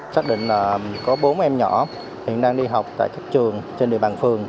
xác định là có bốn em nhỏ hiện đang đi học tại các trường trên địa bàn phường